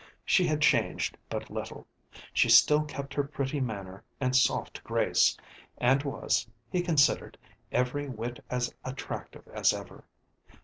She had changed but little. She still kept her pretty manner and soft grace, and was, he considered, every whit as attractive as ever.